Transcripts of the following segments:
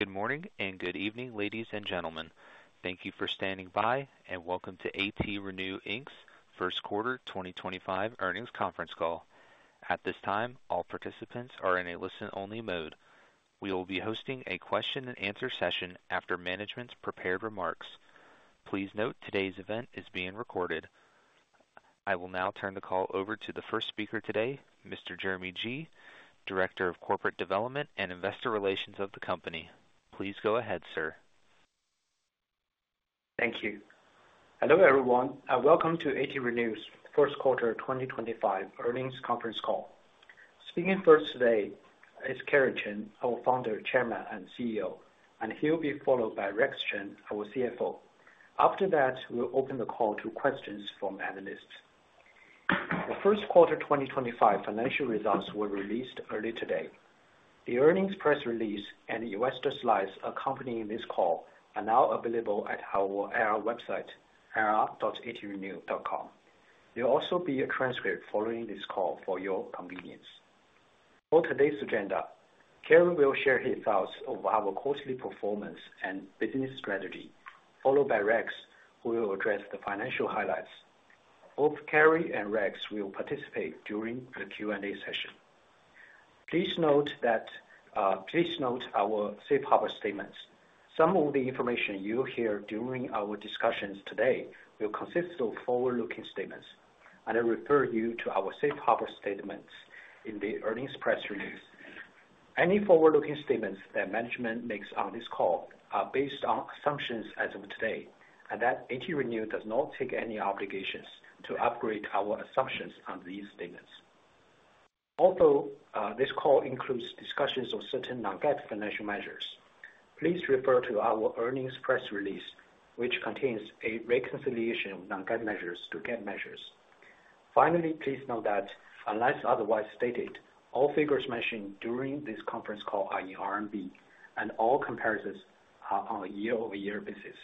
Good morning and good evening, ladies and gentlemen. Thank you for standing by, and welcome to ATRenew's First Quarter 2025 Earnings Conference Call. At this time, all participants are in a listen-only mode. We will be hosting a question-and-answer session after management's prepared remarks. Please note today's event is being recorded. I will now turn the call over to the first speaker today, Mr. Jeremy Ji, Director of Corporate Development and Investor Relations of the company. Please go ahead, sir. Thank you. Hello everyone. Welcome to ATRenew's first quarter 2025 earnings conference call. Speaking first today is Kerry Chen, our Founder, Chairman, and CEO, and he'll be followed by Rex Chen, our CFO. After that, we'll open the call to questions from analysts. The first quarter 2025 financial results were released early today. The earnings press release and investor slides accompanying this call are now available at our website, air.atrenew.com. There will also be a transcript following this call for your convenience. For today's agenda, Kerry will share his thoughts of our quarterly performance and business strategy, followed by Rex, who will address the financial highlights. Both Kerry and Rex will participate during the Q&A session. Please note our safe harbor statements. Some of the information you'll hear during our discussions today will consist of forward-looking statements, and I refer you to our safe harbor statements in the earnings press release. Any forward-looking statements that management makes on this call are based on assumptions as of today, and that ATRenew does not take any obligations to upgrade our assumptions on these statements. Also, this call includes discussions of certain non-GAAP financial measures. Please refer to our earnings press release, which contains a reconciliation of non-GAAP measures to GAAP measures. Finally, please note that, unless otherwise stated, all figures mentioned during this conference call are in RMB, and all comparisons are on a year-over-year basis.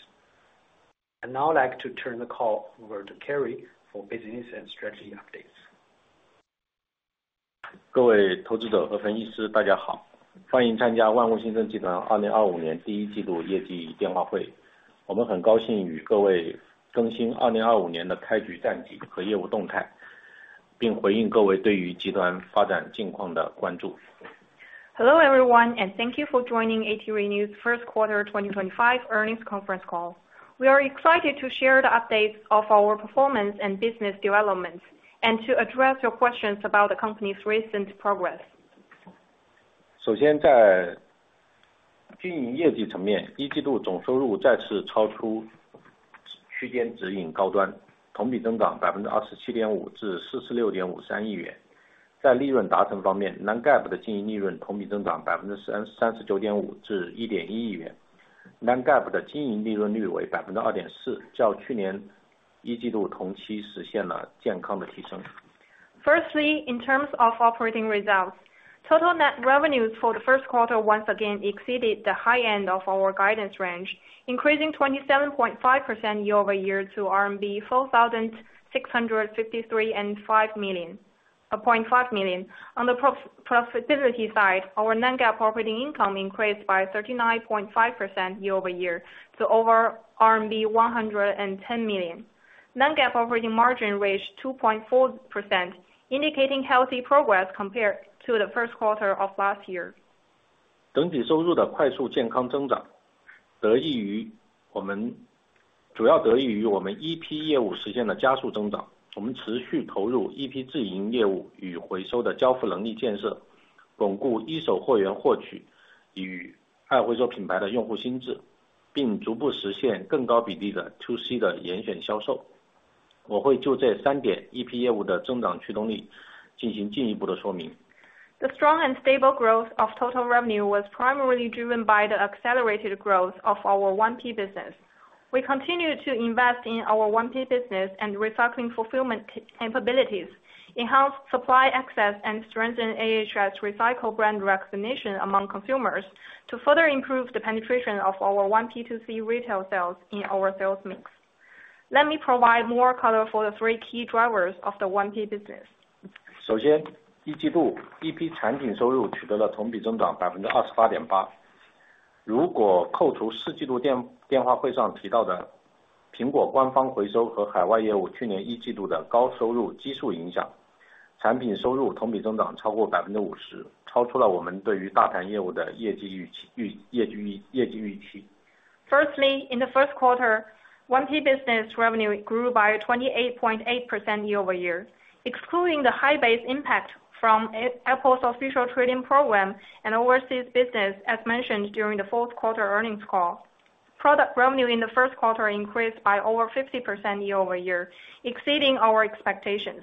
I'd now like to turn the call over to Kerry for business and strategy updates. 各位投资者和分析师，大家好。欢迎参加万物新增集团2025年第一季度业绩电话会。我们很高兴与各位更新2025年的开局战绩和业务动态，并回应各位对于集团发展近况的关注。Hello everyone, and thank you for joining ATRenew's First Quarter 2025 Earnings Conference Call. We are excited to share the updates of our performance and business development and to address your questions about the company's recent progress. 首先在经营业绩层面，一季度总收入再次超出区间指引高端，同比增长27.5%至46.53亿元。在利润达成方面，Non-GAAP的经营利润同比增长39.5%至1.1亿元，Non-GAAP的经营利润率为2.4%，较去年一季度同期实现了健康的提升。Firstly, in terms of operating results, total net revenues for the first quarter once again exceeded the high end of our guidance range, increasing 27.5% year-over-year to RMB 4,653.5 million. On the profitability side, our Non-GAAP operating income increased by 39.5% year-over-year to over RMB 110 million. Non-GAAP operating margin raised 2.4%, indicating healthy progress compared to the first quarter of last year. 整体收入的快速健康增长得益于我们主要得益于我们EP业务实现的加速增长。我们持续投入EP自营业务与回收的交付能力建设，巩固一手货源获取与二回收品牌的用户心智，并逐步实现更高比例的To C的严选销售。我会就这三点EP业务的增长驱动力进行进一步的说明。The strong and stable growth of total revenue was primarily driven by the accelerated growth of our 1P business. We continue to invest in our 1P business and recycling fulfillment capabilities, enhance supply access, and strengthen AHS Recycle brand recognition among consumers to further improve the penetration of our 1P To C retail sales in our sales mix. Let me provide more color for the three key drivers of the 1P business. 首先，第一季度EP产品收入取得了同比增长28.8%。如果扣除四季度电话会上提到的苹果官方回收和海外业务去年一季度的高收入基数影响，产品收入同比增长超过50%，超出了我们对于大盘业务的业绩预期，预业绩预，业绩预期。Firstly, in the first quarter, 1P business revenue grew by 28.8% year-over-year, excluding the high base impact from Apple's official trade-in program and overseas business, as mentioned during the fourth quarter earnings call. Product revenue in the first quarter increased by over 50% year-over-year, exceeding our expectations.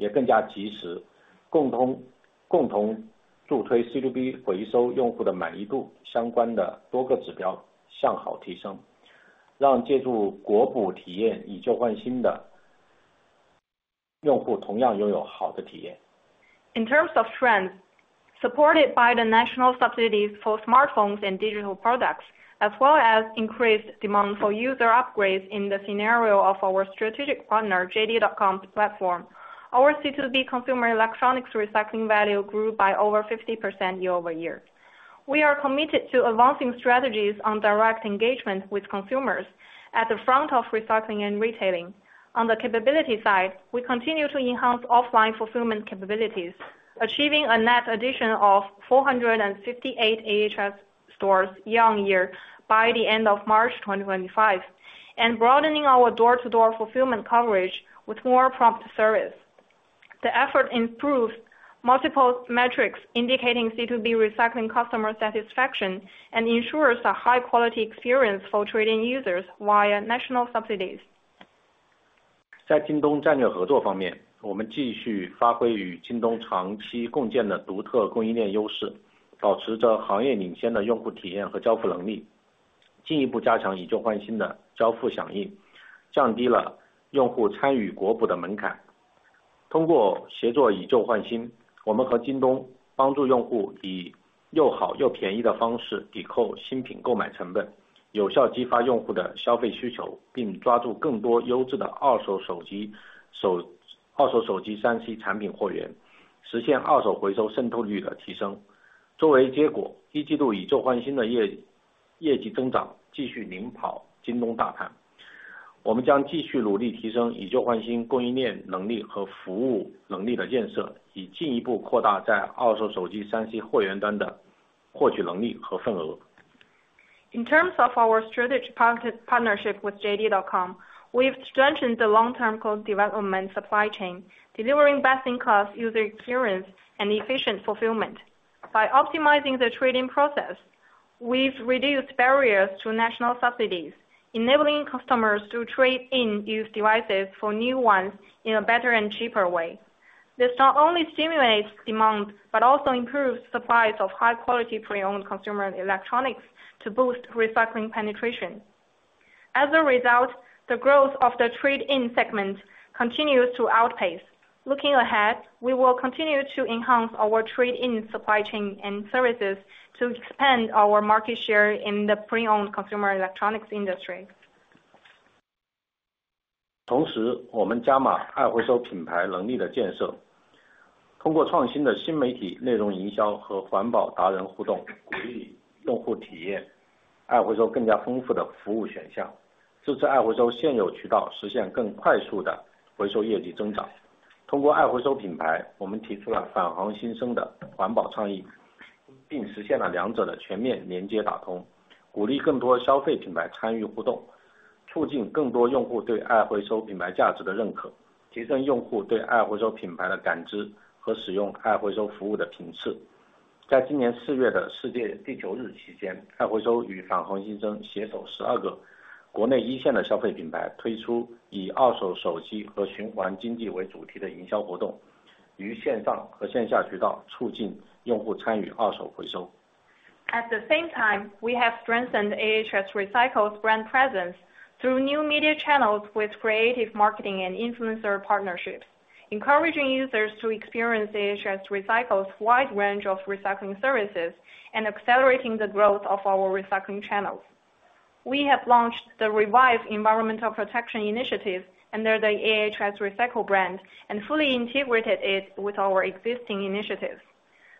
In terms of trends, supported by the national subsidies for smartphones and digital products, as well as increased demand for user upgrades in the scenario of our strategic partner JD.com's platform, our C2B consumer electronics recycling value grew by over 50% year-over-year. We are committed to advancing strategies on direct engagement with consumers at the front of recycling and retailing. On the capability side, we continue to enhance offline fulfillment capabilities, achieving a net addition of 458 AHS Recycle stores year-on-year by the end of March 2025, and broadening our door-to-door fulfillment coverage with more prompt service. The effort improves multiple metrics indicating C2B recycling customer satisfaction and ensures a high-quality experience for trading users via national subsidies. In terms of our strategic partnership with JD.com, we've strengthened the long-term development supply chain, delivering best-in-class user experience and efficient fulfillment. By optimizing the trading process, we've reduced barriers to national subsidies, enabling customers to trade in used devices for new ones in a better and cheaper way. This not only stimulates demand, but also improves supplies of high-quality pre-owned consumer electronics to boost recycling penetration. As a result, the growth of the trade-in segment continues to outpace. Looking ahead, we will continue to enhance our trade-in supply chain and services to expand our market share in the pre-owned consumer electronics industry. At the same time, we have strengthened AHS Recycle's brand presence through new media channels with creative marketing and influencer partnerships, encouraging users to experience AHS Recycle's wide range of recycling services and accelerating the growth of our recycling channels. We have launched the Revive Environmental Protection Initiative under the AHS Recycle brand and fully integrated it with our existing initiatives.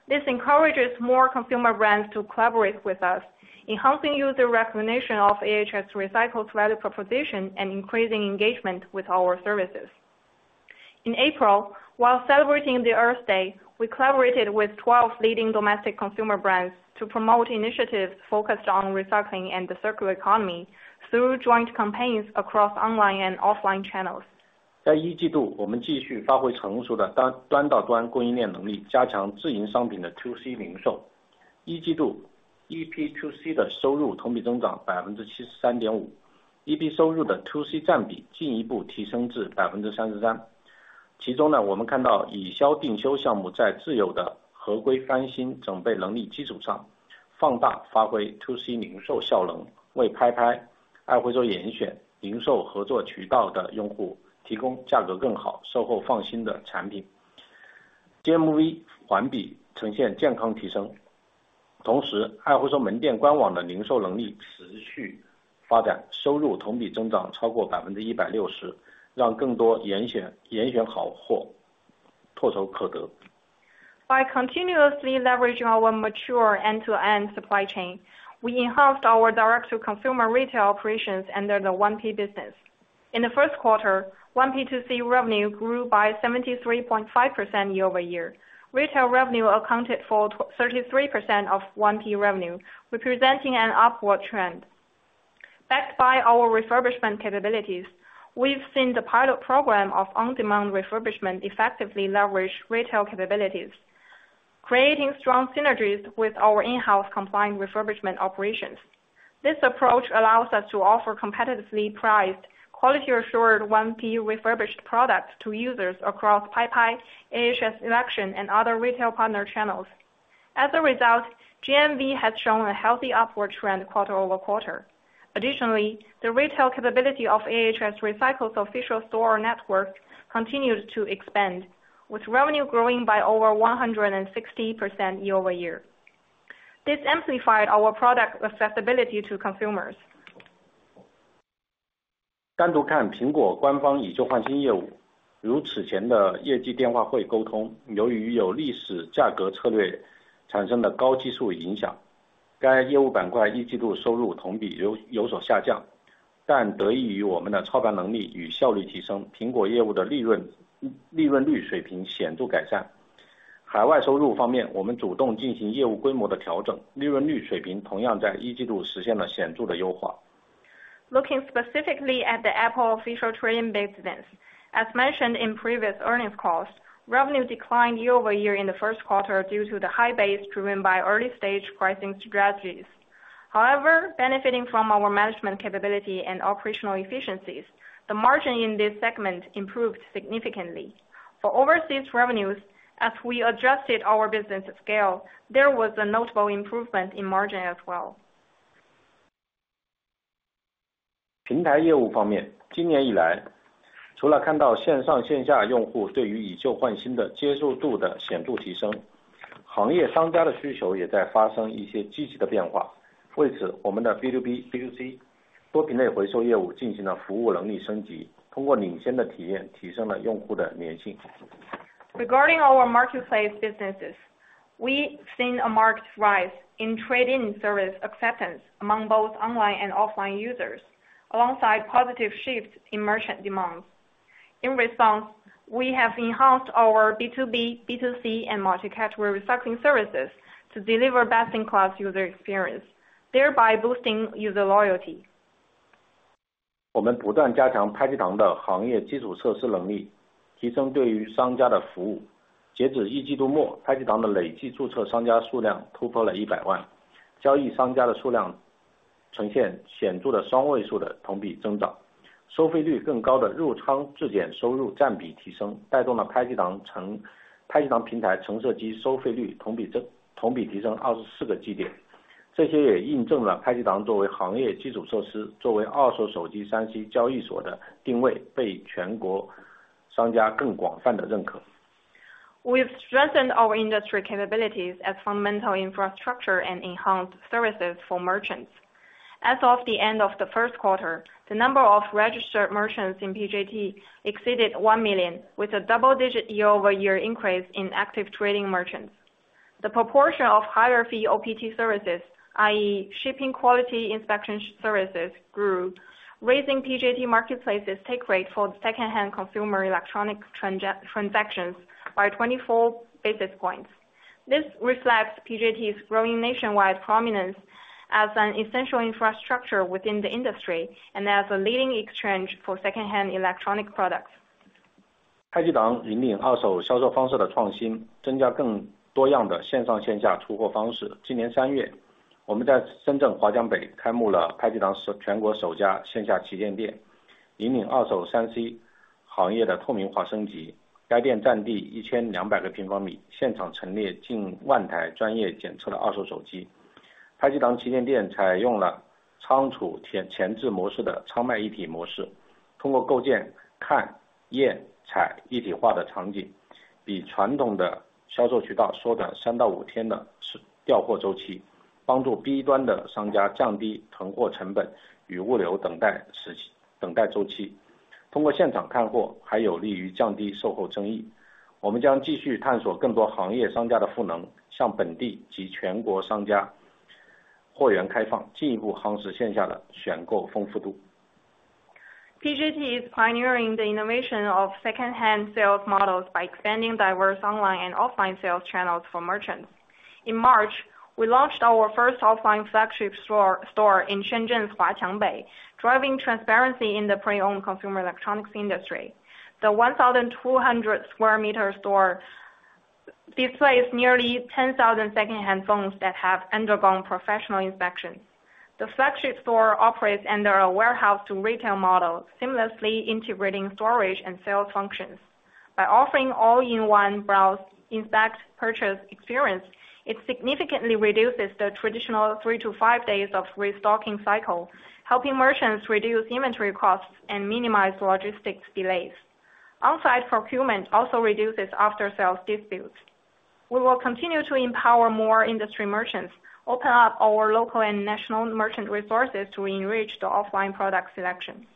This encourages more consumer brands to collaborate with us, enhancing user recognition of AHS Recycle's value proposition and increasing engagement with our services. In April, while celebrating Earth Day, we collaborated with 12 leading domestic consumer brands to promote initiatives focused on recycling and the circular economy through joint campaigns across online and offline channels. 在一季度，我们继续发挥成熟的端到端供应链能力，加强自营商品的To C零售。一季度EP To C的收入同比增长73.5%，EP收入的To C占比进一步提升至33%。其中呢，我们看到以销定修项目在自有的合规翻新整备能力基础上，放大发挥To C零售效能，为拍拍二回收严选零售合作渠道的用户提供价格更好、售后放心的产品。GMV环比呈现健康提升，同时二回收门店官网的零售能力持续发展，收入同比增长超过160%，让更多严选严选好货唾手可得。By continuously leveraging our mature end-to-end supply chain, we enhanced our direct-to-consumer retail operations under the 1P business. In the first quarter, 1P To C revenue grew by 73.5% year-over-year. Retail revenue accounted for 33% of 1P revenue, representing an upward trend. Backed by our refurbishment capabilities, we've seen the pilot program of on-demand refurbishment effectively leverage retail capabilities, creating strong synergies with our in-house compliant refurbishment operations. This approach allows us to offer competitively priced, quality-assured 1P refurbished products to users across PJT, AHS Recycle, and other retail partner channels. As a result, GMV has shown a healthy upward trend quarter over quarter. Additionally, the retail capability of AHS Recycle's official store network continued to expand, with revenue growing by over 160% year-over-year. This amplified our product accessibility to consumers. Looking specifically at the Apple official trade-in business, as mentioned in previous earnings calls, revenue declined year-over-year in the first quarter due to the high base driven by early-stage pricing strategies. However, benefiting from our management capability and operational efficiencies, the margin in this segment improved significantly. For overseas revenues, as we adjusted our business scale, there was a notable improvement in margin as well. 平台业务方面，今年以来，除了看到线上线下用户对于以旧换新的接受度的显著提升，行业商家的需求也在发生一些积极的变化。为此，我们的B2B、B2C多品类回收业务进行了服务能力升级，通过领先的体验提升了用户的粘性。Regarding our marketplace businesses, we've seen a marked rise in trading service acceptance among both online and offline users, alongside positive shifts in merchant demands. In response, we have enhanced our B2B, B2C, and multi-category recycling services to deliver best-in-class user experience, thereby boosting user loyalty. 我们不断加强拍皮糖的行业基础设施能力，提升对于商家的服务。截止一季度末，拍皮糖的累计注册商家数量突破了100万，交易商家的数量呈现显著的双位数的同比增长，收费率更高的入仓质检收入占比提升，带动了拍皮糖成拍皮糖平台成色机收费率同比增同比提升24个基点。这些也印证了拍皮糖作为行业基础设施、作为二手手机3C交易所的定位，被全国商家更广泛的认可。We've strengthened our industry capabilities as fundamental infrastructure and enhanced services for merchants. As of the end of the first quarter, the number of registered merchants in PJT exceeded 1 million, with a double-digit year-over-year increase in active trading merchants. The proportion of higher fee OPT services, i.e., shipping quality inspection services, grew, raising PJT marketplace's take rate for second-hand consumer electronic transactions by 24 basis points. This reflects PJT's growing nationwide prominence as an essential infrastructure within the industry and as a leading exchange for second-hand electronic products. PJT is pioneering the innovation of second-hand sales models by expanding diverse online and offline sales channels for merchants. In March, we launched our first offline flagship store in Shenzhen's Huacheng Bay, driving transparency in the pre-owned consumer electronics industry. The 1,200 sq m store displays nearly 10,000 second-hand phones that have undergone professional inspections. The flagship store operates under a warehouse to retail model, seamlessly integrating storage and sales functions. By offering an all-in-one browse inspect purchase experience, it significantly reduces the traditional three to five days of restocking cycle, helping merchants reduce inventory costs and minimize logistics delays. On-site procurement also reduces after-sales disputes. We will continue to empower more industry merchants, open up our local and national merchant resources to enrich the offline product selection.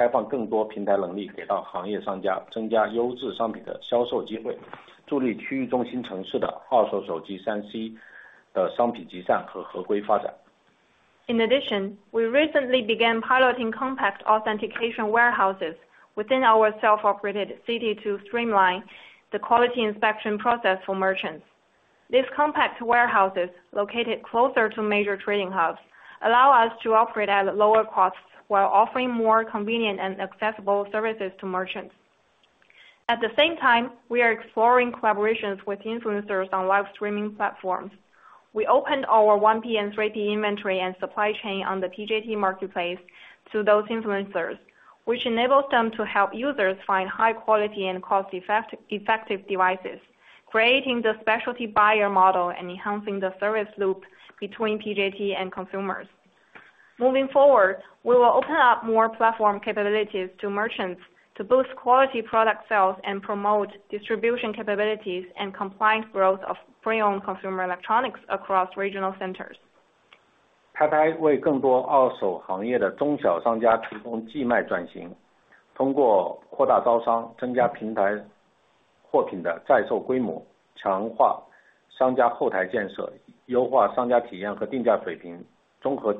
In addition, we recently began piloting compact authentication warehouses within our self-operated city to streamline the quality inspection process for merchants. These compact warehouses, located closer to major trading hubs, allow us to operate at lower costs while offering more convenient and accessible services to merchants. At the same time, we are exploring collaborations with influencers on live streaming platforms. We opened our 1P and 3P inventory and supply chain on the PJT marketplace to those influencers, which enables them to help users find high-quality and cost-effective devices, creating the specialty buyer model and enhancing the service loop between PJT and consumers. Moving forward, we will open up more platform capabilities to merchants to boost quality product sales and promote distribution capabilities and compliant growth of pre-owned consumer electronics across regional centers. 拍拍为更多二手行业的中小商家提供寄卖转型，通过扩大招商，增加平台货品的在售规模，强化商家后台建设，优化商家体验和定价水平，综合提高货品的动销率，同时加强完善售后质检和服务策略，以提升用提升流量和用户的购买体验。规模上，拍拍寄卖全品类一季度的销售额同比增加2.2倍。我们将探索把寄卖商品打通到更多的自营销售场景中，为中小商家提供更加丰富的零售通路。As part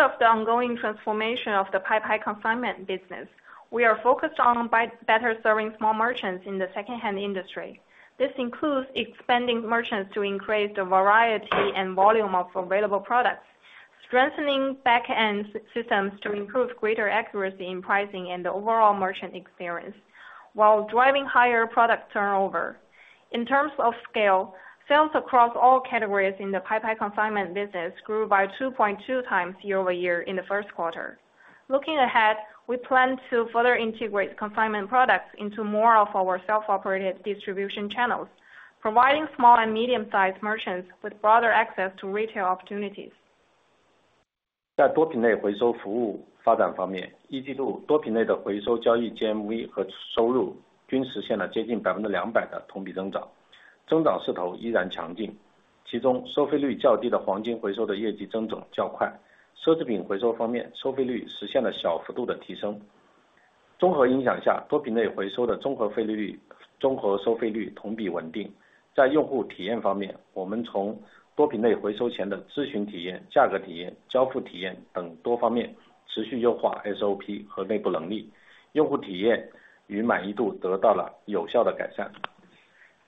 of the ongoing transformation of the Paipai Consignment business, we are focused on better serving small merchants in the second-hand industry. This includes expanding merchants to increase the variety and volume of available products, strengthening back-end systems to improve greater accuracy in pricing and the overall merchant experience, while driving higher product turnover. In terms of scale, sales across all categories in the Paipai Consignment business grew by 2.2x year-over-year in the first quarter. Looking ahead, we plan to further integrate consignment products into more of our self-operated distribution channels, providing small and medium-sized merchants with broader access to retail opportunities.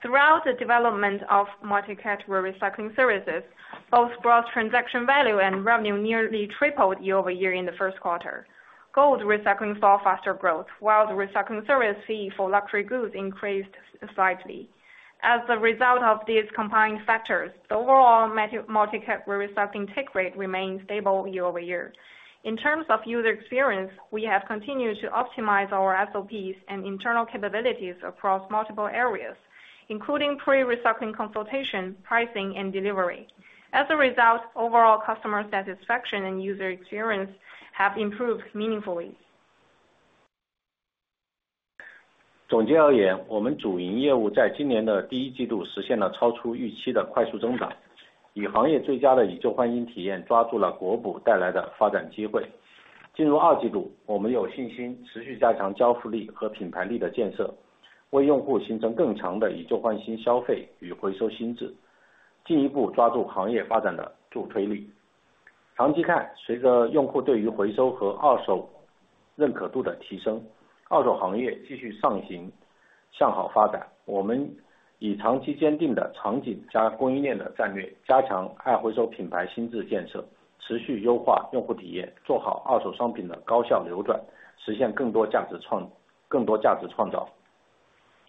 Throughout the development of multi-category recycling services, both gross transaction value and revenue nearly tripled year-over-year in the first quarter. Gold recycling saw faster growth, while the recycling service fee for luxury goods increased slightly. As a result of these combined factors, the overall multi-category recycling take rate remained stable year-over-year. In terms of user experience, we have continued to optimize our SOPs and internal capabilities across multiple areas, including pre-recycling consultation, pricing, and delivery. As a result, overall customer satisfaction and user experience have improved meaningfully.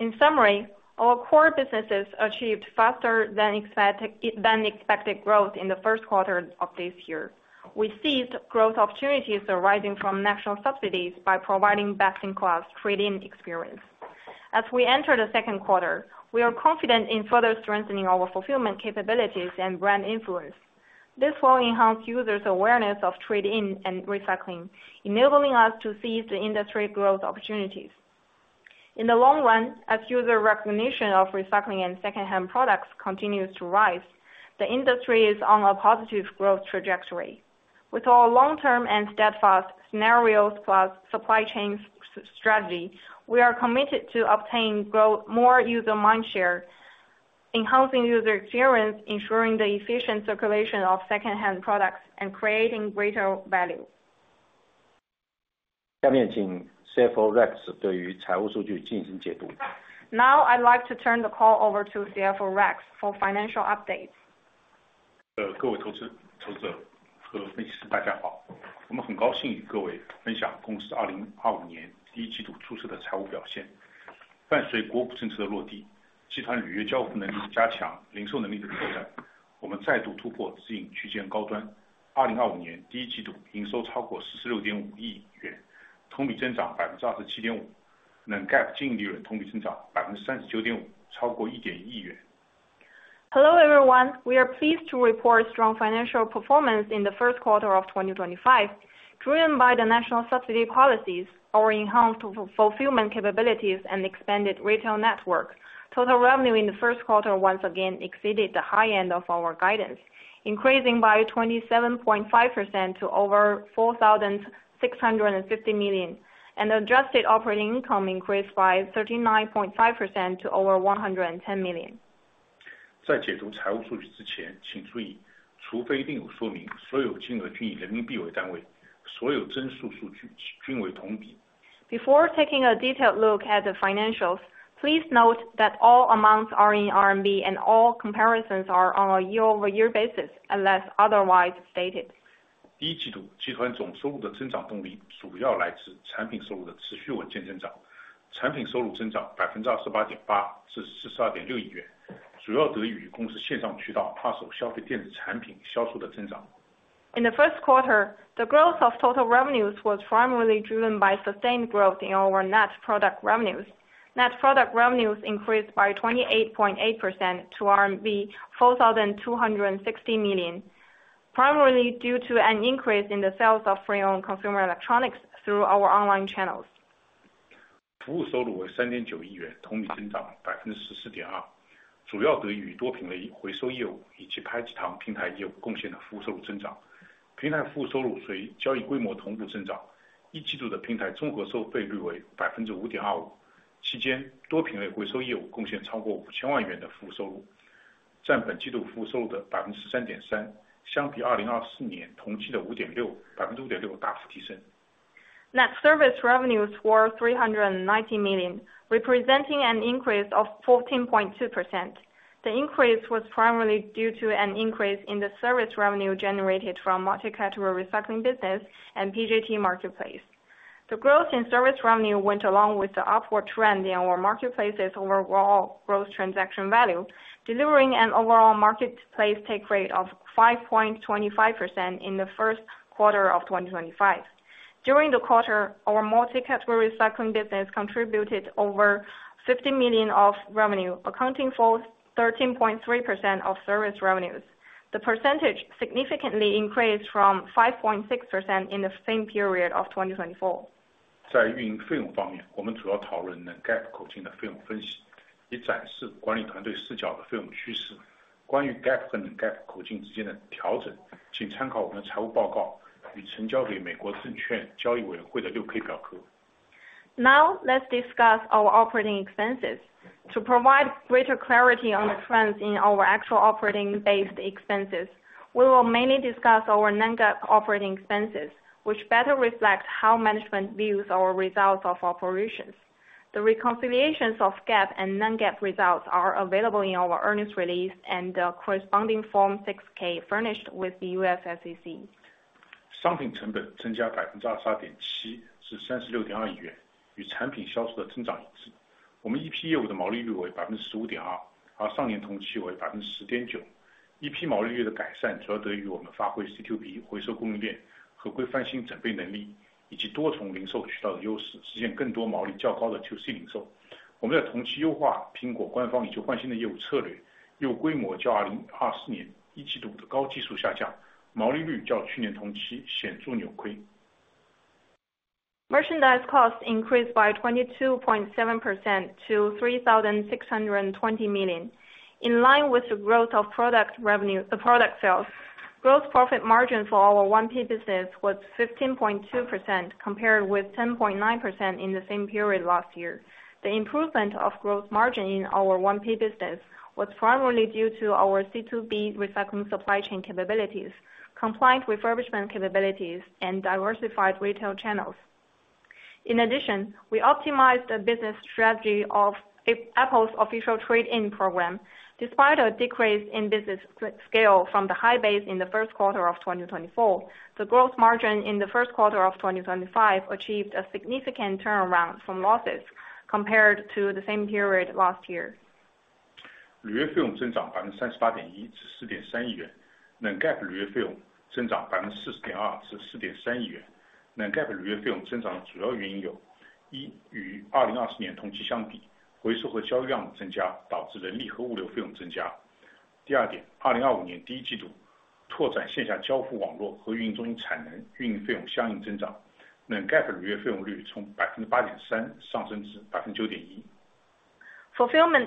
In summary, our core businesses achieved faster than expected growth in the first quarter of this year. We seized growth opportunities arising from national subsidies by providing best-in-class trading experience. As we enter the second quarter, we are confident in further strengthening our fulfillment capabilities and brand influence. This will enhance users' awareness of trade-in and recycling, enabling us to seize the industry growth opportunities. In the long run, as user recognition of recycling and second-hand products continues to rise, the industry is on a positive growth trajectory. With our long-term and steadfast scenarios plus supply chain strategy, we are committed to obtaining more user mind share, enhancing user experience, ensuring the efficient circulation of second-hand products, and creating greater value. 下面请CFO Rex对于财务数据进行解读。Now I'd like to turn the call over to CFO Rex Chen for financial updates. 各位投资投资者和分析师大家好，我们很高兴与各位分享公司2025年第一季度出色的财务表现。伴随国补政策的落地，集团履约交付能力的加强，零售能力的拓展，我们再度突破指引区间高端。2025年第一季度营收超过46.5亿元，同比增长27.5%，能GAP净利润同比增长39.5%，超过1.1亿元。Hello everyone, we are pleased to report strong financial performance in the first quarter of 2025. Driven by the national subsidy policies, our enhanced fulfillment capabilities and expanded retail network, total revenue in the first quarter once again exceeded the high end of our guidance, increasing by 27.5% to over 4,650 million, and adjusted operating income increased by 39.5% to over 110 million. 在解读财务数据之前，请注意，除非另有说明，所有金额均以人民币为单位，所有增速数据均为同比。Before taking a detailed look at the financials, please note that all amounts are in RMB and all comparisons are on a year-over-year basis unless otherwise stated. 第一季度集团总收入的增长动力主要来自产品收入的持续稳健增长，产品收入增长28.8%至42.6亿元，主要得益于公司线上渠道二手消费电子产品销售的增长。In the first quarter, the growth of total revenues was primarily driven by sustained growth in our net product revenues. Net product revenues increased by 28.8% to RMB 4,260 million, primarily due to an increase in the sales of pre-owned consumer electronics through our online channels. 服务收入为3.9亿元，同比增长14.2%，主要得益于多品类回收业务以及拍皮糖平台业务贡献的服务收入增长。平台服务收入随交易规模同步增长，一季度的平台综合收费率为5.25%，期间多品类回收业务贡献超过5,000万元的服务收入，占本季度服务收入的13.3%，相比2024年同期的5.6%大幅提升。Net service revenues were 390 million, representing an increase of 14.2%. The increase was primarily due to an increase in the service revenue generated from multi-category recycling business and PJT marketplace. The growth in service revenue went along with the upward trend in our marketplace's overall gross transaction value, delivering an overall marketplace take rate of 5.25% in the first quarter of 2025. During the quarter, our multi-category recycling business contributed over 50 million of revenue, accounting for 13.3% of service revenues. The percentage significantly increased from 5.6% in the same period of 2024. 在运营费用方面，我们主要讨论能GAP口径的费用分析，以展示管理团队视角的费用趋势。关于GAP和能GAP口径之间的调整，请参考我们财务报告与成交给美国证券交易委员会的6K表格。Now let's discuss our operating expenses. To provide greater clarity on the trends in our actual operating-based expenses, we will mainly discuss our non-GAAP operating expenses, which better reflect how management views our results of operations. The reconciliations of GAAP and non-GAAP results are available in our earnings release and the corresponding Form 6K furnished with the U.S. SEC. 商品成本增加22.7%至36.2亿元，与产品销售的增长一致。我们EP业务的毛利率为15.2%，而上年同期为10.9%。EP毛利率的改善主要得益于我们发挥C2B回收供应链和规范性整备能力，以及多重零售渠道的优势，实现更多毛利较高的QC零售。我们在同期优化苹果官方以旧换新的业务策略，业务规模较2024年一季度的高技术下降，毛利率较去年同期显著扭亏。Merchandise cost increased by 22.7% to 3,620 million. In line with the growth of product sales, gross profit margin for our 1P business was 15.2%, compared with 10.9% in the same period last year. The improvement of gross margin in our 1P business was primarily due to our C2B recycling supply chain capabilities, compliant refurbishment capabilities, and diversified retail channels. In addition, we optimized the business strategy of Apple's official trade-in program. Despite a decrease in business scale from the high base in the first quarter of 2024, the gross margin in the first quarter of 2025 achieved a significant turnaround from losses compared to the same period last year. 履约费用增长38.1%至4.3亿元，能GAP履约费用增长40.2%至4.3亿元。能GAP履约费用增长的主要原因有：一、与2024年同期相比，回收和交易量的增加导致人力和物流费用增加；第二点，2025年第一季度拓展线下交付网络和运营中心产能运营费用相应增长，能GAP履约费用率从8.3%上升至9.1%。Fulfillment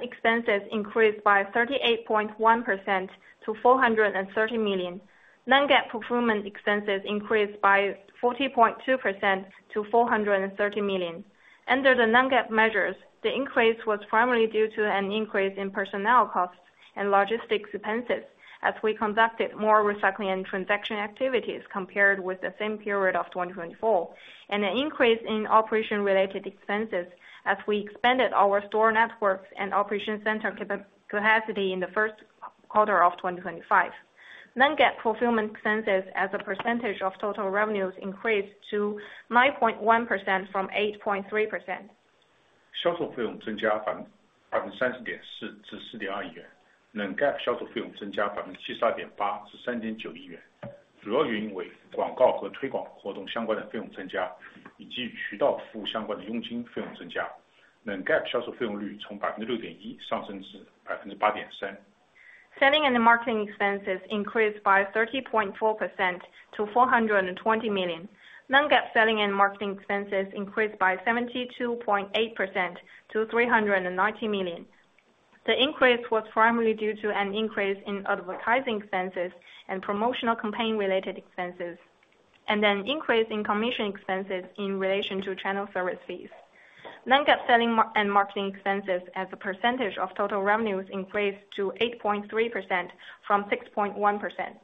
expenses increased by 38.1% to 430 million. Non-GAAP fulfillment expenses increased by 40.2% to 430 million. Under the non-GAAP measures, the increase was primarily due to an increase in personnel costs and logistics expenses as we conducted more recycling and transaction activities compared with the same period of 2024, and an increase in operation-related expenses as we expanded our store network and operation center capacity in the first quarter of 2025. Non-GAAP fulfillment expenses as a percentage of total revenues increased to 9.1% from 8.3%. 销售费用增加30.4%至4.2亿元，能GAP销售费用增加72.8%至3.9亿元。主要原因为广告和推广活动相关的费用增加，以及与渠道服务相关的佣金费用增加，能GAP销售费用率从6.1%上升至8.3%。Selling and marketing expenses increased by 30.4% to RMB 420 million. Non-GAAP selling and marketing expenses increased by 72.8% to 390 million. The increase was primarily due to an increase in advertising expenses and promotional campaign-related expenses, and an increase in commission expenses in relation to channel service fees. Non-GAAP selling and marketing expenses as a percentage of total revenues increased to 8.3% from 6.1%.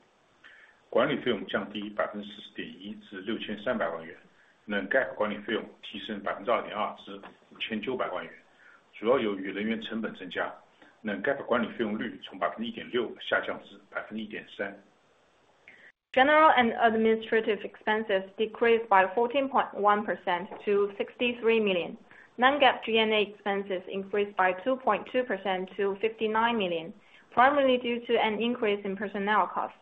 管理费用降低40.1%至6,300万元，能GAP管理费用提升2.2%至5,900万元。主要由于人员成本增加，能GAP管理费用率从1.6%下降至1.3%。General and administrative expenses decreased by 14.1% to 63 million. Non-GAAP G&A expenses increased by 2.2% to 59 million, primarily due to an increase in personnel costs.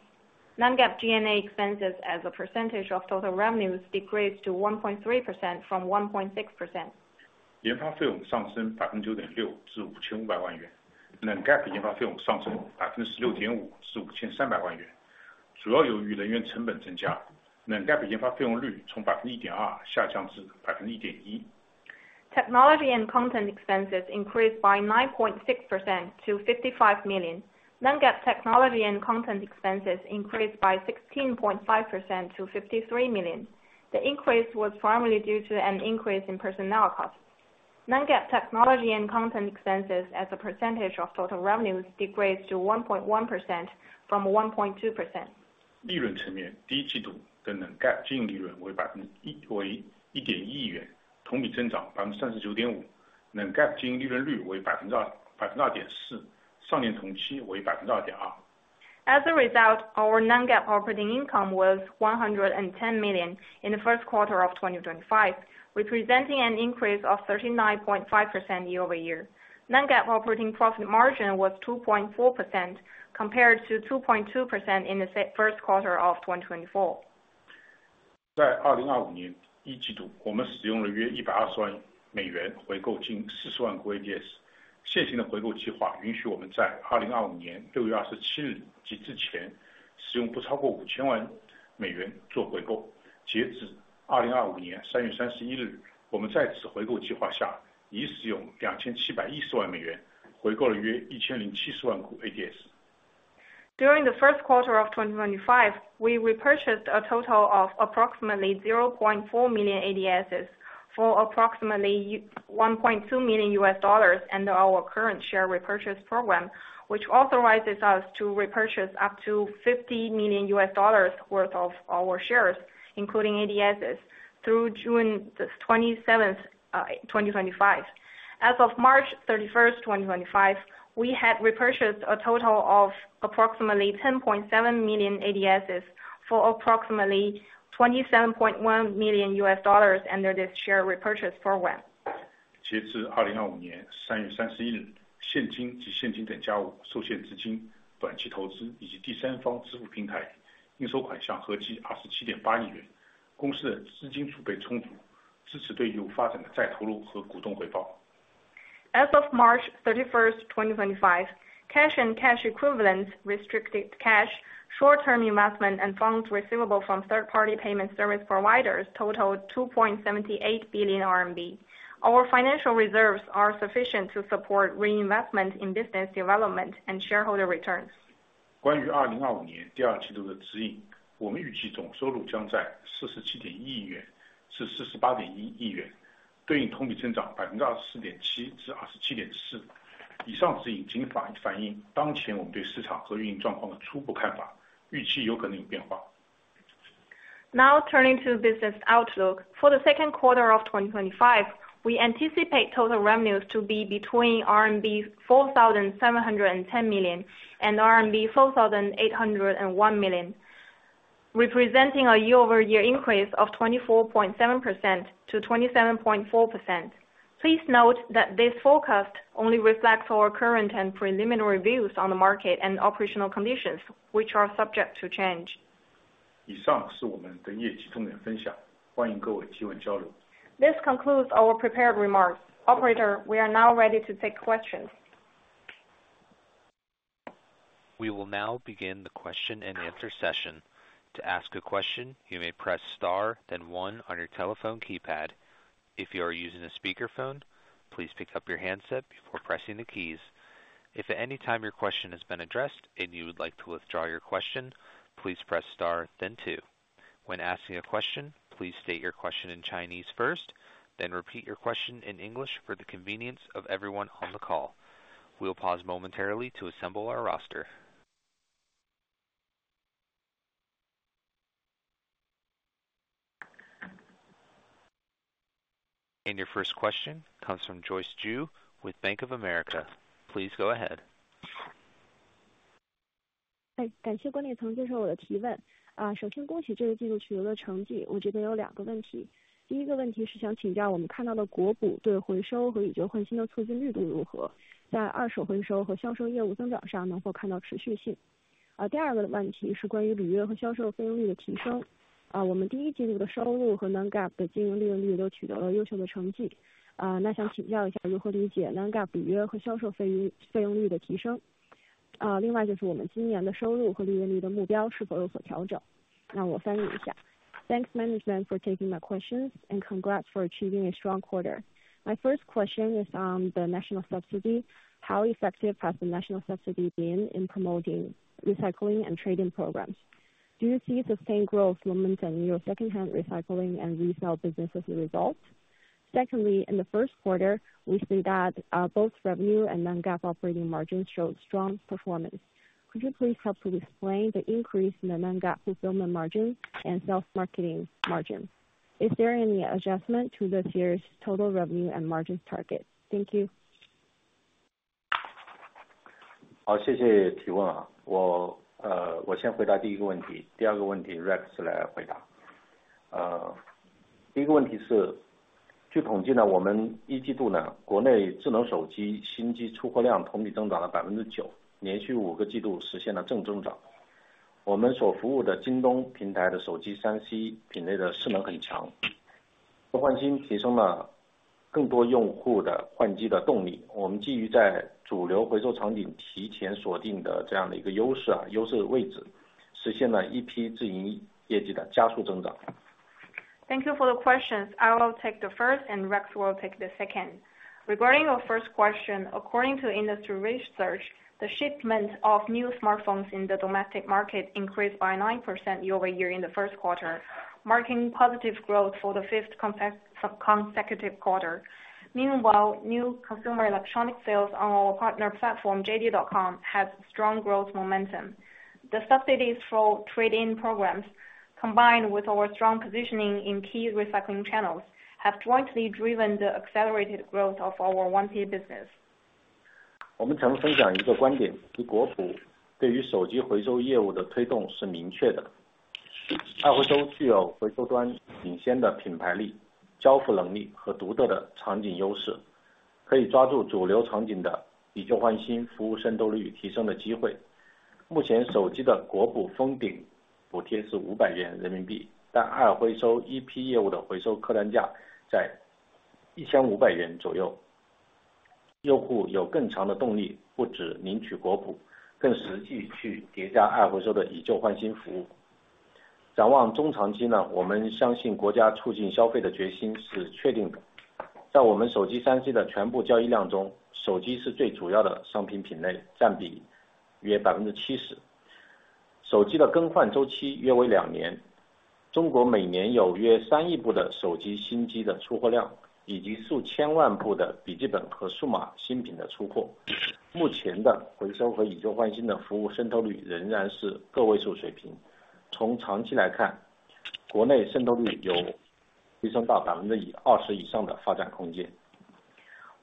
Non-GAAP G&A expenses as a percentage of total revenues decreased to 1.3% from 1.6%. 研发费用上升9.6%至5,500万元，能GAP研发费用上升16.5%至5,300万元。主要由于人员成本增加，能GAP研发费用率从1.2%下降至1.1%。Technology and content expenses increased by 9.6% to 55 million. Non-GAAP technology and content expenses increased by 16.5% to 53 million. The increase was primarily due to an increase in personnel costs. Non-GAAP technology and content expenses as a percentage of total revenues decreased to 1.1% from 1.2%. 利润层面，第一季度的能GAP经营利润为1.1亿元，同比增长39.5%。能GAP经营利润率为2.4%，上年同期为2.2%。As a result, our non-GAAP operating income was RMB 110 million in the first quarter of 2025, representing an increase of 39.5% year-over-year. Non-GAAP operating profit margin was 2.4%, compared to 2.2% in the first quarter of 2024. 在2025年第一季度，我们使用了约120万美元回购金40万股ADS。现行的回购计划允许我们在2025年6月27日及之前使用不超过5,000万美元做回购。截止2025年3月31日，我们在此回购计划下已使用2,710万美元回购了约1,070万股ADS。During the first quarter of 2025, we repurchased a total of approximately 0.4 million ADSs for approximately $1.2 million under our current share repurchase program, which authorizes us to repurchase up to $50 million worth of our shares, including ADSs, through June 27, 2025. As of March 31, 2025, we had repurchased a total of approximately 10.7 million ADSs for approximately $27.1 million under this share repurchase program. 截至2025年3月31日，现金及现金等价物受限资金、短期投资以及第三方支付平台应收款项合计27.8亿元。公司的资金储备充足，支持对业务发展的再投入和股东回报。As of March 31, 2025, cash and cash equivalents, restricted cash, short-term investment, and funds receivable from third-party payment service providers total 2.78 billion RMB. Our financial reserves are sufficient to support reinvestment in business development and shareholder returns. 关于2025年第二季度的指引，我们预计总收入将在47.1亿元至48.1亿元，对应同比增长24.7%至27.4%。以上指引仅反映当前我们对市场和运营状况的初步看法，预期有可能有变化。Now turning to business outlook, for the second quarter of 2025, we anticipate total revenues to be between RMB 4,710 million and RMB 4,801 million, representing a year-over-year increase of 24.7% - 27.4%. Please note that this forecast only reflects our current and preliminary views on the market and operational conditions, which are subject to change. 以上是我们的业绩重点分享，欢迎各位提问交流。This concludes our prepared remarks. Operator, we are now ready to take questions. We will now begin the question and answer session. To ask a question, you may press star, then one on your telephone keypad. If you are using a speakerphone, please pick up your handset before pressing the keys. If at any time your question has been addressed and you would like to withdraw your question, please press star, then two. When asking a question, please state your question in Chinese first, then repeat your question in English for the convenience of everyone on the call. We'll pause momentarily to assemble our roster. Your first question comes from Joyce Ju with Bank of America. Please go ahead. 感谢关铁成介绍我的提问。首先恭喜这个季度取得了成绩，我这边有两个问题。第一个问题是想请教我们看到的国补对回收和以旧换新的促进力度如何，在二手回收和销售业务增长上能否看到持续性。第二个问题是关于履约和销售费用率的提升。我们第一季度的收入和 non-GAAP 的经营利润率都取得了优秀的成绩，那想请教一下如何理解 non-GAAP 履约和销售费用率的提升。另外就是我们今年的收入和利润率的目标是否有所调整。那我翻译一下。Thanks management for taking my questions and congrats for achieving a strong quarter. My first question is on the national subsidy. How effective has the national subsidy been in promoting recycling and trade-in programs? Do you see sustained growth momentum in your second-hand recycling and resale business as a result? Secondly, in the first quarter, we see that both revenue and non-GAAP operating margins showed strong performance. Could you please help to explain the increase in the non-GAAP fulfillment margin and self-marketing margin? Is there any adjustment to this year's total revenue and margins target? Thank you. 好，谢谢提问。我先回答第一个问题，第二个问题 Rex 来回答。第一个问题是，据统计我们一季度国内智能手机新机出货量同比增长了 9%，连续五个季度实现了正增长。我们所服务的京东平台的手机 3C 品类的性能很强，换新提升了更多用户的换机的动力。我们基于在主流回收场景提前锁定的这样的一个优势位置，实现了 EP 自营业绩的加速增长。Thank you for the questions. I will take the first, and Rex will take the second. Regarding your first question, according to industry research, the shipment of new smartphones in the domestic market increased by 9% year-over-year in the first quarter, marking positive growth for the fifth consecutive quarter. Meanwhile, new consumer electronic sales on our partner platform JD.com has strong growth momentum. The subsidies for trade-in programs, combined with our strong positioning in key recycling channels, have jointly driven the accelerated growth of our 1P business. The long run, there is room for the domestic penetration rate to increase to above 20%.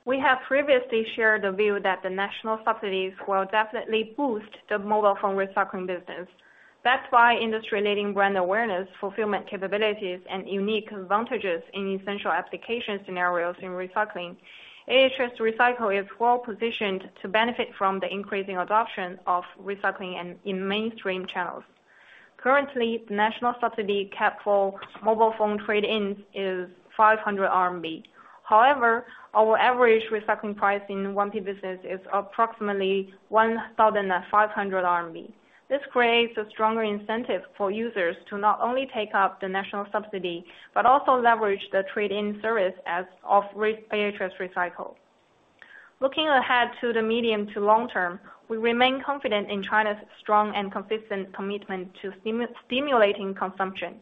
We have previously shared the view that the national subsidies will definitely boost the mobile phone recycling business. That's why industry-leading brand awareness, fulfillment capabilities, and unique advantages in essential application scenarios in recycling, AHS Recycle is well positioned to benefit from the increasing adoption of recycling and in mainstream channels. Currently, the national subsidy cap for mobile phone trade-ins is 500 RMB. However, our average recycling price in 1P business is approximately 1,500 RMB. This creates a stronger incentive for users to not only take up the national subsidy, but also leverage the trade-in service as of AHS Recycle. Looking ahead to the medium to long term, we remain confident in China's strong and consistent commitment to stimulating consumption.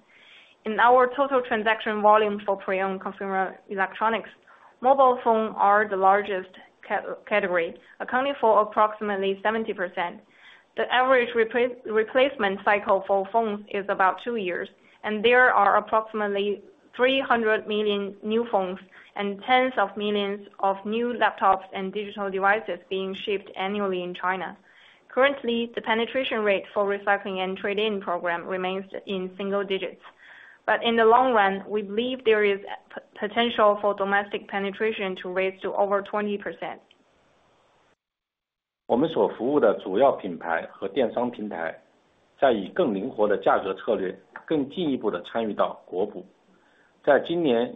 In our total transaction volume for pre-owned consumer electronics, mobile phones are the largest category, accounting for approximately 70%. The average replacement cycle for phones is about two years, and there are approximately 300 million new phones and tens of millions of new laptops and digital devices being shipped annually in China. Currently, the penetration rate for recycling and trade-in programs remains in single digits. In the long run, we believe there is potential for domestic penetration to rise to over 20%. 我们所服务的主要品牌和电商平台在以更灵活的价格策略更进一步地参与到国补。在今年已经开启的 618 电商大促期间，我们期待以旧换新能进一步提升业务的增长动能。二回收也将以更优质的交付能力承接用户的回收和换新服务。The main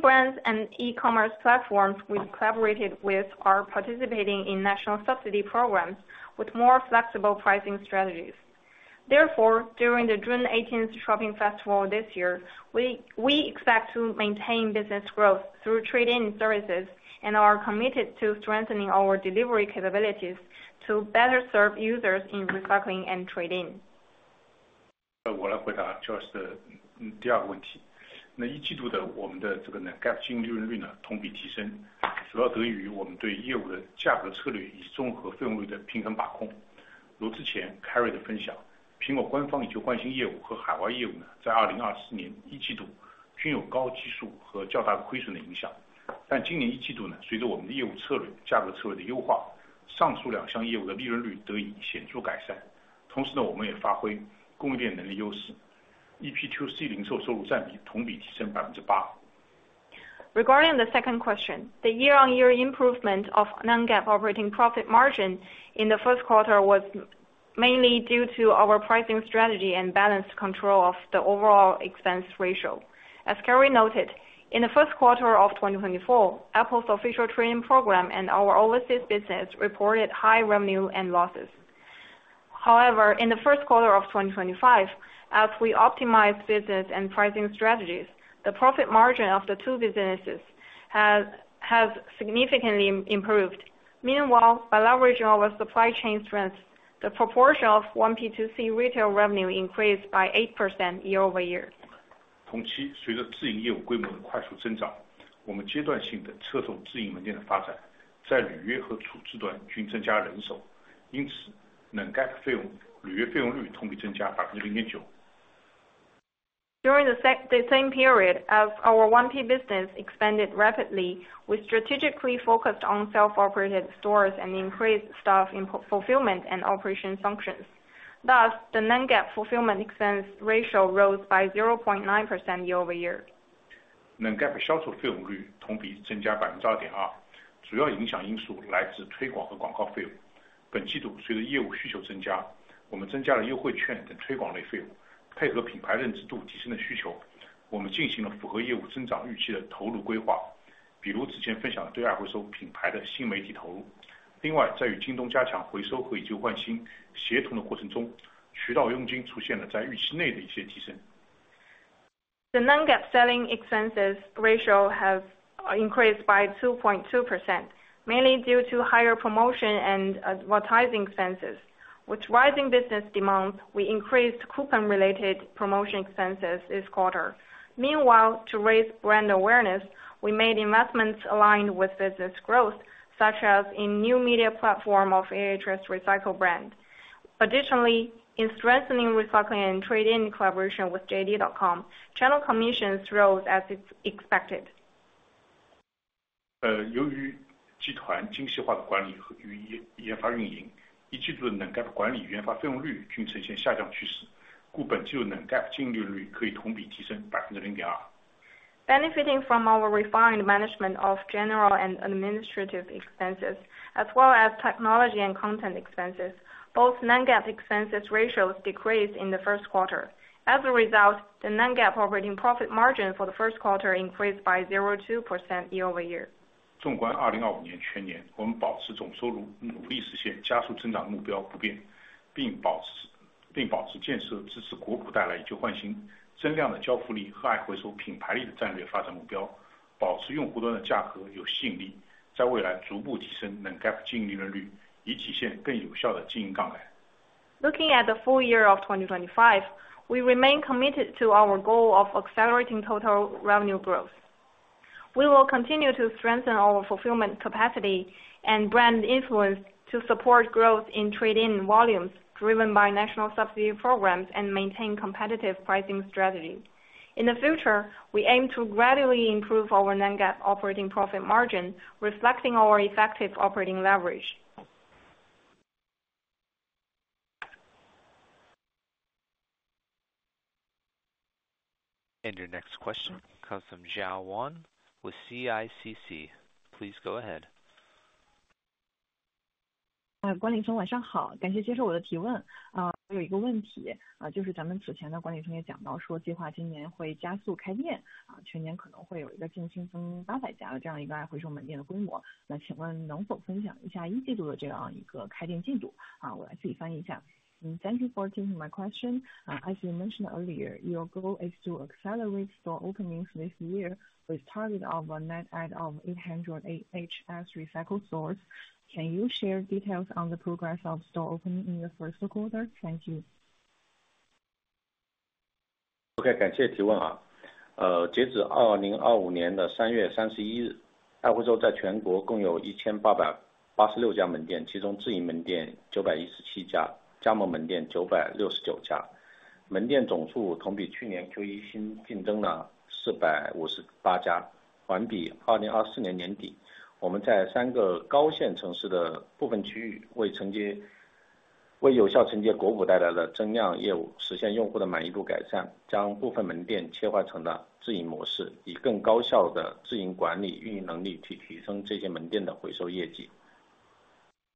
brands and e-commerce platforms we've collaborated with are participating in national subsidy programs with more flexible pricing strategies. Therefore, during the June 18th Shopping Festival this year, we expect to maintain business growth through trade-in services and are committed to strengthening our delivery capabilities to better serve users in recycling and trade-in. the proportion of EP2C retail revenue increased by 8% year over year. Regarding the second question, the year-on-year improvement of non-GAAP operating profit margin in the first quarter was mainly due to our pricing strategy and balanced control of the overall expense ratio. As Kerry noted, in the first quarter of 2024, Apple's official trade-in program and our overseas business reported high revenue and losses. However, in the first quarter of 2025, as we optimize business and pricing strategies, the profit margin of the two businesses has significantly improved. Meanwhile, by leveraging our supply chain strength, the proportion of 1P2C retail revenue increased by 8% year-over-year. 同期，随着自营业务规模的快速增长，我们阶段性地撤动自营门店的发展，在履约和处置端均增加人手。因此，non-GAAP 费用履约费用率同比增加 0.9%。During the same period, as our 1P business expanded rapidly, we strategically focused on self-operated stores and increased staff in fulfillment and operations functions. Thus, the non-GAAP fulfillment expense ratio rose by 0.9% year-over-year. Non-GAAP 销售费用率同比增加 2.2%。主要影响因素来自推广和广告费用。本季度随着业务需求增加，我们增加了优惠券等推广类费用，配合品牌认知度提升的需求，我们进行了符合业务增长预期的投入规划，比如之前分享的对二回收品牌的新媒体投入。另外，在与京东加强回收和以旧换新协同的过程中，渠道佣金出现了在预期内的一些提升。The non-GAAP selling expenses ratio has increased by 2.2%, mainly due to higher promotion and advertising expenses. With rising business demands, we increased coupon-related promotion expenses this quarter. Meanwhile, to raise brand awareness, we made investments aligned with business growth, such as in new media platform of AHS Recycle brand. Additionally, in strengthening recycling and trade-in collaboration with JD.com, channel commissions rose as expected. 由于集团精细化的管理和研发运营，一季度的 non-GAAP 管理与研发费用率均呈现下降趋势。故本季度 non-GAAP 经营利润率可以同比提升 0.2%。Benefiting from our refined management of general and administrative expenses, as well as technology and content expenses, both non-GAAP expense ratios decreased in the first quarter. As a result, the non-GAAP operating profit margin for the first quarter increased by 0.2% year-over-year. reflect more effective operating leverage. Looking at the full year of 2025, we remain committed to our goal of accelerating total revenue growth. We will continue to strengthen our fulfillment capacity and brand influence to support growth in trade-in volumes driven by national subsidy programs and maintain competitive pricing strategies. In the future, we aim to gradually improve our non-GAAP operating profit margin, reflecting our effective operating leverage. Your next question comes from Zhao Wang with CICC. Please go ahead. 关铁成，晚上好。感谢接受我的提问。我有一个问题，就是咱们此前的管理层也讲到说计划今年会加速开店，全年可能会有一个净新增 800 家的这样一个二回收门店的规模。那请问能否分享一下一季度的这样一个开店进度？我来自己翻译一下。Thank you for taking my question. As you mentioned earlier, your goal is to accelerate store openings this year with a target of a net add of 800 AHS Recycle stores. Can you share details on the progress of store opening in the first quarter? Thank you. We converted some stores to self-operated mode to enhance the recycling performance of these stores through more efficient self-operated management and operational capabilities.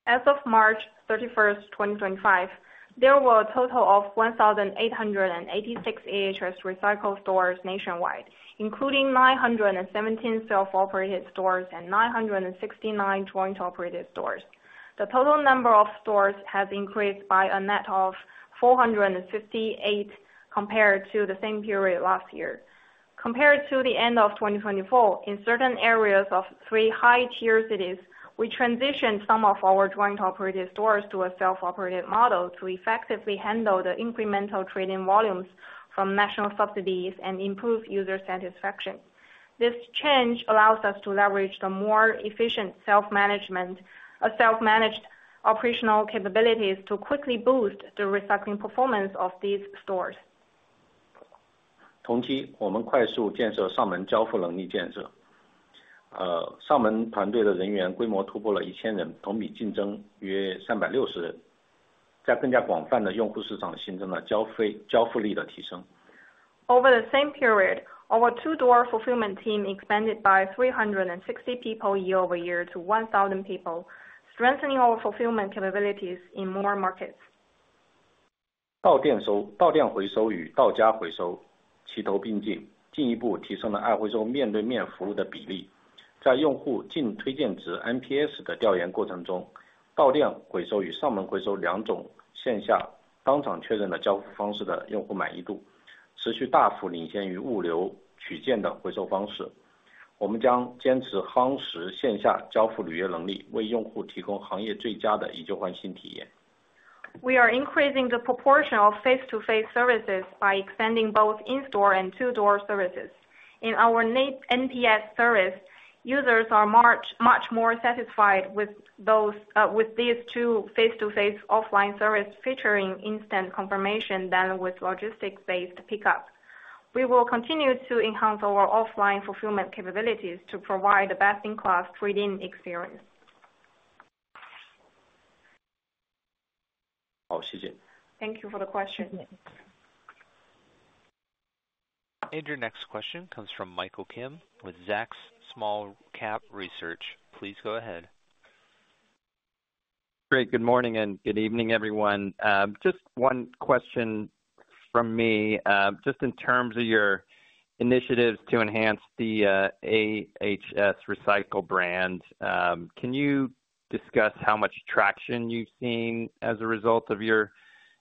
As of March 31, 2025, there were a total of 1,886 AHS Recycle stores nationwide, including 917 self-operated stores and 969 joint-operated stores. The total number of stores has increased by a net of 458 compared to the same period last year. Compared to the end of 2024, in certain areas of three high-tier cities, we transitioned some of our joint-operated stores to a self-operated model to effectively handle the incremental trade-in volumes from national subsidies and improve user satisfaction. This change allows us to leverage the more efficient self-managed operational capabilities to quickly boost the recycling performance of these stores. 同期，我们快速建设上门交付能力建设。上门团队的人员规模突破了 1,000 人，同比竞争约 360 人，在更加广泛的用户市场形成了交付力的提升。Over the same period, our two-door fulfillment team expanded by 360 people year-over-year to 1,000 people, strengthening our fulfillment capabilities in more markets. 到店回收与到家回收齐头并进，进一步提升了二回收面对面服务的比例。在用户进推荐值 NPS 的调研过程中，到店回收与上门回收两种线下当场确认的交付方式的用户满意度持续大幅领先于物流取件的回收方式。我们将坚持夯实线下交付履约能力，为用户提供行业最佳的以旧换新体验。We are increasing the proportion of face-to-face services by extending both in-store and two-door services. In our NPS service, users are much more satisfied with these two face-to-face offline services featuring instant confirmation than with logistics-based pickup. We will continue to enhance our offline fulfillment capabilities to provide the best-in-class trade-in experience. 好，谢谢。Thank you for the question. Your next question comes from Michael Kim with Zacks Small Cap Research. Please go ahead. Great. Good morning and good evening, everyone. Just one question from me. Just in terms of your initiatives to enhance the AHS Recycle brand, can you discuss how much traction you've seen as a result of your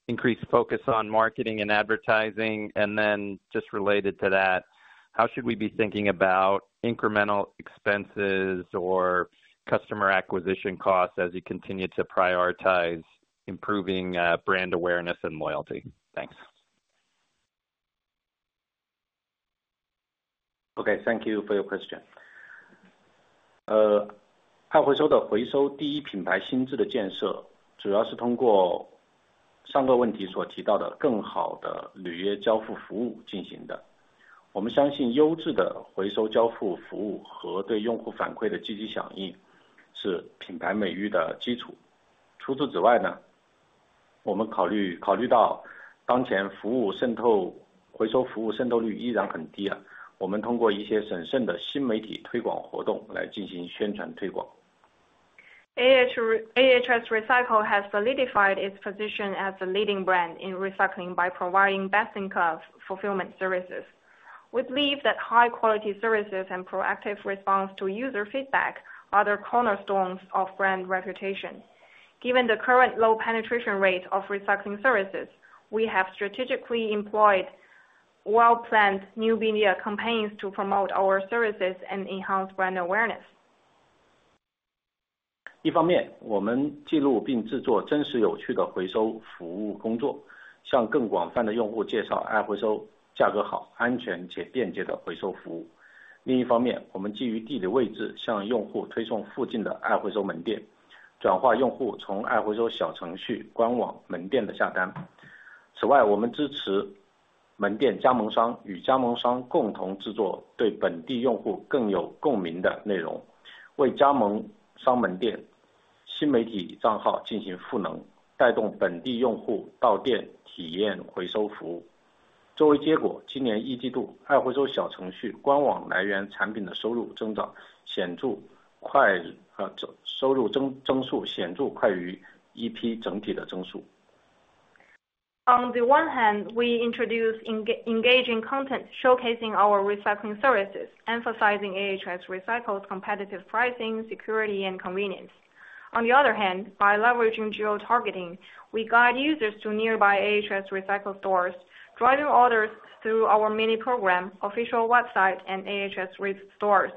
increased focus on marketing and advertising? Then just related to that, how should we be thinking about incremental expenses or customer acquisition costs as you continue to prioritize improving brand awareness and loyalty? Thanks. still very low, we are promoting through some prudent new media marketing activities. AHS Recycle has solidified its position as a leading brand in recycling by providing best-in-class fulfillment services. We believe that high-quality services and proactive response to user feedback are the cornerstones of brand reputation. Given the current low penetration rate of recycling services, we have strategically employed well-planned new media campaigns to promote our services and enhance brand awareness. EP 整体的增速。On the one hand, we introduce engaging content showcasing our recycling services, emphasizing AHS Recycle's competitive pricing, security, and convenience. On the other hand, by leveraging geotargeting, we guide users to nearby AHS Recycle stores, driving orders through our mini program, official website, and AHS stores.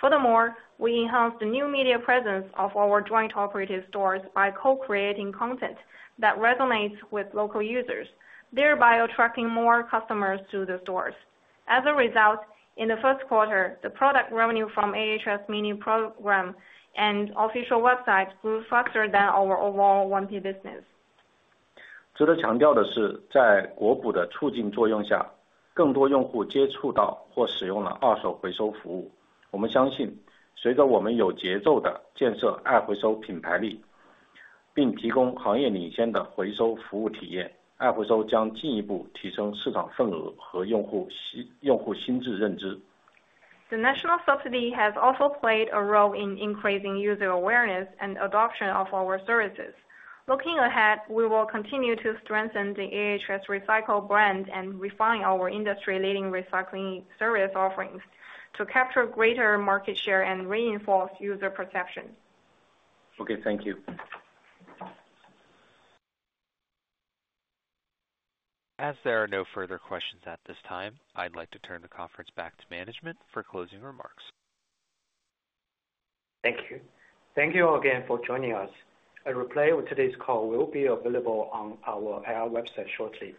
Furthermore, we enhance the new media presence of our joint operating stores by co-creating content that resonates with local users, thereby attracting more customers to the stores. As a result, in the first quarter, the product revenue from AHS mini program and official website grew faster than our overall 1P business. 值得强调的是，在国补的促进作用下，更多用户接触到或使用了二手回收服务。我们相信，随着我们有节奏地建设二回收品牌力，并提供行业领先的回收服务体验，二回收将进一步提升市场份额和用户心智认知。The national subsidy has also played a role in increasing user awareness and adoption of our services. Looking ahead, we will continue to strengthen the AHS Recycle brand and refine our industry-leading recycling service offerings to capture greater market share and reinforce user perception. Okay, thank you. As there are no further questions at this time, I'd like to turn the conference back to management for closing remarks. Thank you. Thank you all again for joining us. A replay of today's call will be available on our IR website shortly,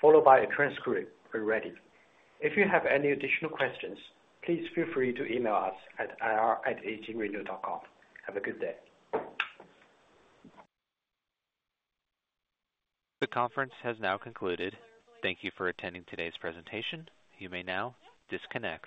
followed by a transcript ready. If you have any additional questions, please feel free to email us at ir@atrenew.com. Have a good day. The conference has now concluded. Thank you for attending today's presentation. You may now disconnect.